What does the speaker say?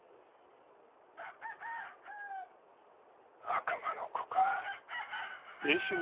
悪魔の子か。